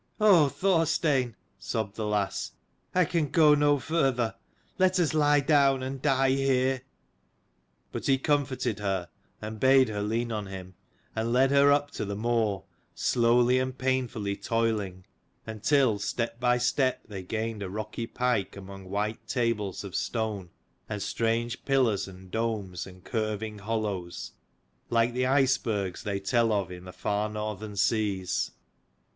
"Oh, Thorstein," sobbed the lass, "I can go no farther: let us lie down and die here." But he comforted her, and bade her lean on him, and led her up the moor, slowly and painfully toiling, until step by step they gained a rocky pike among white tables of stone and strange pillars and domes and curving hollows, like the icebergs they tell of in the far northern seas.